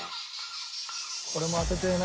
これも当ててえな。